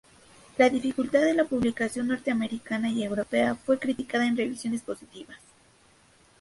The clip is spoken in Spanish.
La dificultad de la publicación norteamericana y europea fue criticada en revisiones positivas.